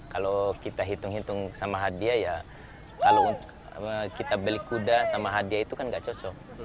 kalau kita hitung hitung sama hadiah ya kalau kita beli kuda sama hadiah itu kan nggak cocok